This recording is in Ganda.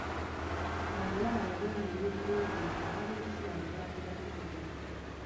Omuwala yali amanyi bulungi nti abalenzi bano baali banywanyi.